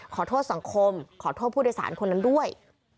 ขอโทษสังคมขอโทษผู้โดยสารคนนั้นด้วย